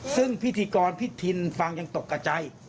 ซึ่งพิธีกรพิธินฟังยังตกกับใจ